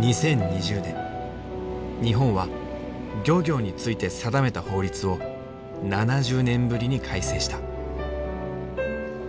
２０２０年日本は漁業について定めた法律を７０年ぶりに改正した。